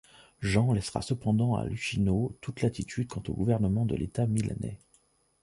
Jean laissera cependant à Luchino toute latitude quant au gouvernement de l'État milanais.